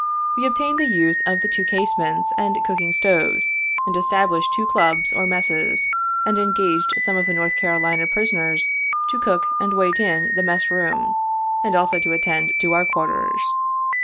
We obtained the use of two casemates and cooking stoves, and established two clubs or messes, and engaged some of the North Carolina prisoners to cook and wait in the mess room, and also to attend to our quarters.